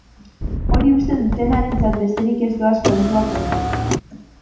Hori uste dutenarentzat besterik ez doaz kontuak ondo.